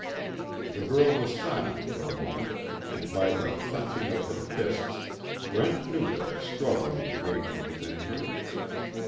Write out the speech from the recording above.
The girl was silent for a moment, and by the clenching of her fists, Brent knew that a struggle was raging within her.